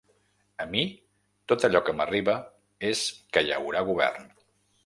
A mi, tot allò que m’arriba és que hi haurà govern.